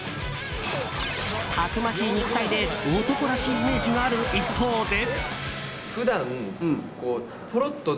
たくましい肉体で男らしいイメージがある一方で。